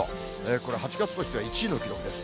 これ、８月としては１位の記録です。